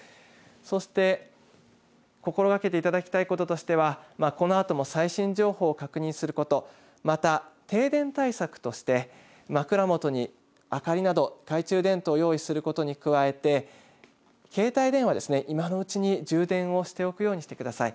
そして、心がけていただきたいこととしてはこのあとも最新情報を確認すること、また停電対策として枕元に明かりなど懐中電灯を用意することに加えて携帯電話、今のうちに充電をしておくようにしてください。